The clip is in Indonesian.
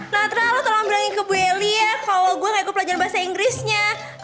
natra lo tolong bilangin ke bu eli ya kalau gue kayak gue pelajar bahasa inggrisnya